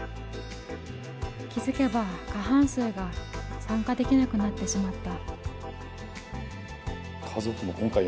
気付けば過半数が参加できなくなってしまった。